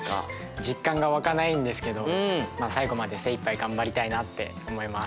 実感がわかないんですけどまあ最後まで精いっぱい頑張りたいなって思います。